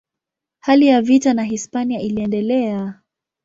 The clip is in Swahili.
Hali ya vita na Hispania iliendelea.